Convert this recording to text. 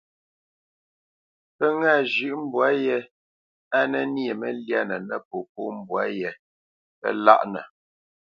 Pə́ ŋâ zhʉ̌ʼ mbwǎ yé á nə nyê məlyánə nə popó mbwǎ yé, pə́ láʼnə.